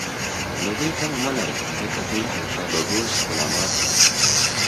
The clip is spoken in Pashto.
له دوی تمه مه لرئ ، ځکه دوی حلقه باګوش غلامان دي